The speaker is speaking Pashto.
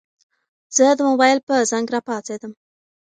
زه د موبايل په زنګ راپاڅېدم.